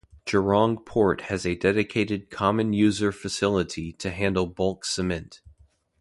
Jurong Port has a dedicated common-user facility to handle bulk cement.